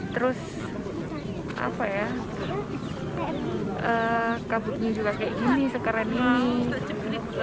terus apa ya kabutnya juga kayak gini sekarang ini